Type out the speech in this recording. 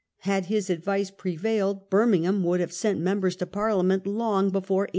Had his advice prevailed, Birmingham would have sent members to Parliament long before 1832.